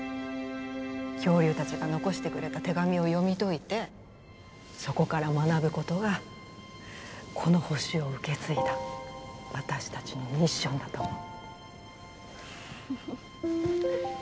恐竜たちが残してくれた手紙を読み解いてそこから学ぶことがこの星を受け継いだ私たちのミッションだと思う。